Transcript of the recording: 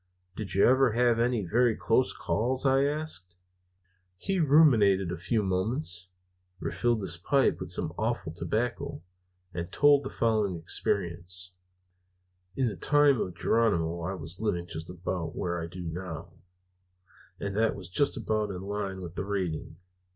"Did you ever have any very close calls?" I asked. He ruminated a few moments, refilled his pipe with some awful tobacco, and told the following experience: "In the time of Geronimo I was living just about where I do now; and that was just about in line with the raiding.